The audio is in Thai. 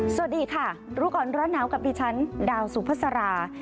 สวัสดีค่ะรู้ก่อนร้อนหนาวกับดิฉันดาวสุภาษารา